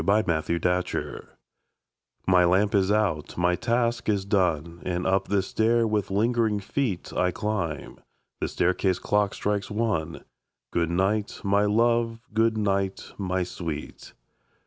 A LATE GOOD NIGHT My lamp is out, my task is done, And up the stair with lingering feet I climb. The staircase clock strikes one. Good night, my love! good night, my sweet!